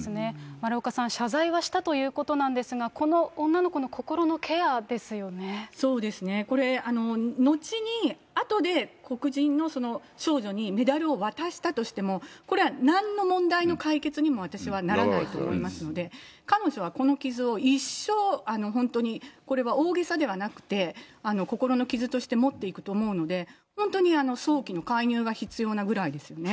丸岡さん、謝罪はしたということなんですが、こそうですね、これ、後に、あとで黒人の少女にメダルを渡したとしても、これはなんの問題の解決にも私はならないと思いますんで、彼女は、この傷を一生、本当にこれは大げさではなくて、心の傷として持っていくと思うので、本当に早期の介入が必要なぐらいですよね。